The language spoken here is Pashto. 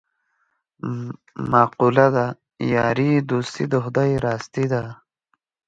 مقوله ده: یاري دوستي د خدای راستي ده.